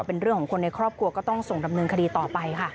เป็นเรื่องของคนในครอบครัวก็ต้องส่งดำเนินคดีต่อไปค่ะ